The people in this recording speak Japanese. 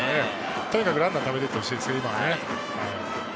とにかくランナーをためていってほしいですね、今はね。